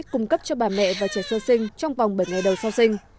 cung cấp cho bà mẹ và trẻ sơ sinh trong vòng bảy ngày đầu sau sinh